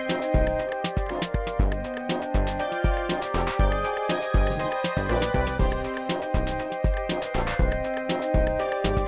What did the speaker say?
itu bisa jalan